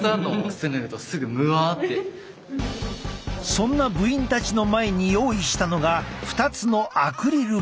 そんな部員たちの前に用意したのが２つのアクリルボックス。